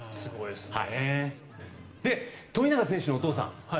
で、富永選手のお父さん。